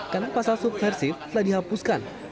karena pasal supersif telah dihapuskan